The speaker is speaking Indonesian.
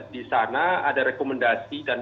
di sana ada rekomendasi dan